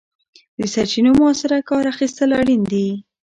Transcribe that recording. د سرچینو مؤثره کار اخیستل اړین دي.